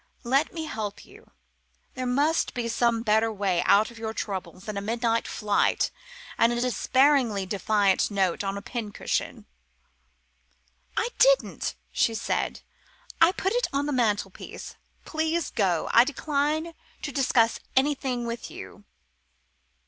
Let me help you. There must be some better way out of your troubles than a midnight flight and a despairingly defiant note on the pin cushion." "I didn't," she said. "I put it on the mantelpiece. Please go. I decline to discuss anything with you."